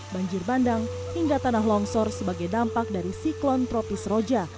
banjir bandang hingga tanah longsor sebagai dampak dari siklon tropis roja